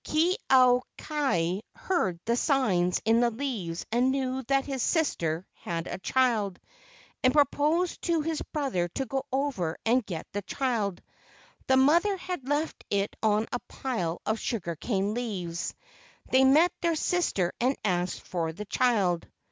Ke au kai heard the signs in the leaves and knew that his sister had a child, and proposed to his brother to go over and get the child. The mother had left it on a pile of sugar cane leaves. They met their sister and asked for the child.